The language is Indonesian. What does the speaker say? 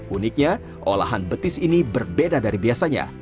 uniknya olahan betis ini berbeda dari biasanya